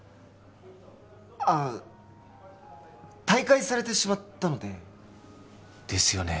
ああ退会されてしまったのでですよね